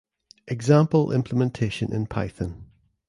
Example implementation in Python.